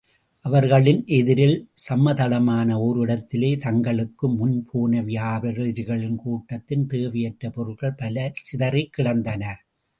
அவர்களின் எதிரில், சமதளமான ஓரிடத்திலே, தங்களுக்கு முன் போன வியாபாரிகள் கூட்டத்தின் தேவையற்ற பொருள்கள் பல சிதறிக்கிடந்தன.